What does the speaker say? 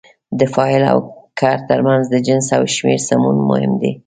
د فاعل او کړ ترمنځ د جنس او شمېر سمون مهم دی.